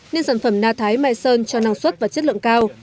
nên sản phẩm na thái mai sơn cho năng suất và chất lượng cao